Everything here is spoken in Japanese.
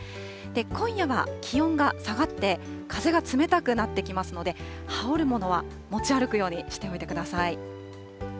今夜は気温が下がって、風が冷たくなってきますので、羽織るものは持ち歩くようにしておいてください。